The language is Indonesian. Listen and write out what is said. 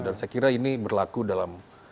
dan saya kira ini berlaku dalam